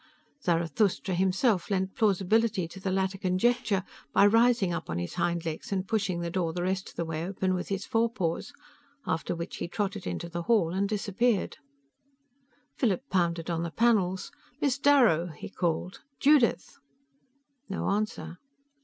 Zarathustra himself lent plausibility to the latter conjecture by rising up on his hind legs and pushing the door the rest of the way open with his forepaws, after which he trotted into the hall and disappeared. Philip pounded on the panels. "Miss Darrow!" he called. "Judith!" No answer.